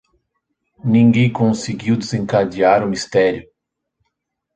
Ninguém conseguiu desencadear o mistério.